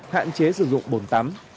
hạn chế sử dụng bốn tắm